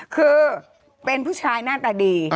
คือเป็นผู้ชายหน้าตาดี